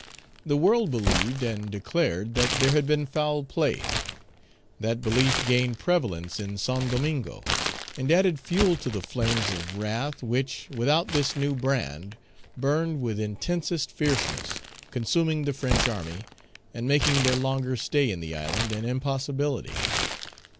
The world believed and declared that there had been foul play. That belief gained prevalence in Saint Domingo, and added fuel to the flames of wrath which, without this new brand, burned with intensest fierceness, consuming the French army, and making their longer stay in the island an impossibility.